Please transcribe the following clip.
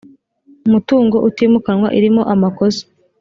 mutungo utimukanwa irimo amakosa